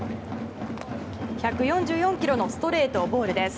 １４４キロのストレートボールです。